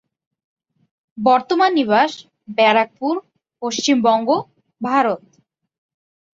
বর্তমান নিবাস ব্যারাকপুর, পশ্চিমবঙ্গ, ভারত।